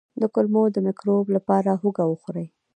د کولمو د مکروب لپاره هوږه وخورئ